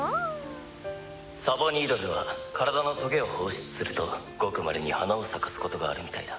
「サボニードルは体のトゲを放出するとごくまれに花を咲かすことがあるみたいだ」